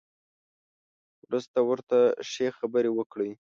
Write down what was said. وروسته ورته ښې خبرې وکړئ.